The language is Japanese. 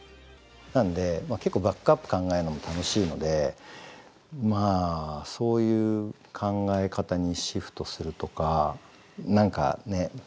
なんで結構バックアップ考えるのも楽しいのでまあそういう考え方にシフトするとか何かね？